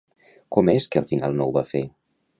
Com és que al final no ho va fer?